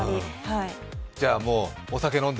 じゃあ、もう、お酒飲んで？